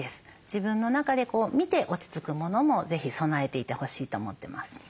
自分の中で見て落ち着くものも是非備えていてほしいと思ってます。